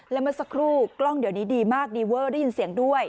และเมื่อสักครู่กล้องเดี๋ยวนี้ดีมากดีเวอร์ได้ยินเสียงด้วย